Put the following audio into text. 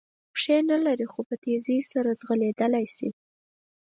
پښې نه لري خو په تېزۍ سره ځغلېدلای شي.